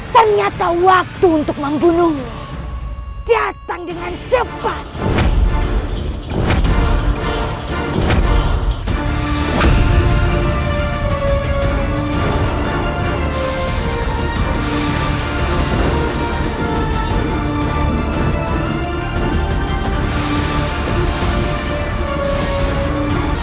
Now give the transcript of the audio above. bersiaplah untuk menerima kematianmu